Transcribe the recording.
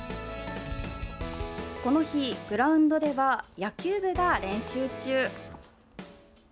この日、グラウンドでは野球部が練習中。